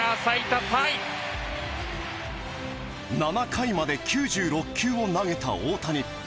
７回まで９６球を投げた大谷。